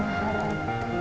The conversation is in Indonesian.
kamu hebat andin